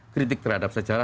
kritik terhadap sejarah